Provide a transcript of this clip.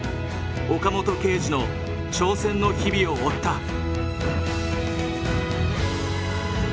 岡本圭司の挑戦の日々を追った。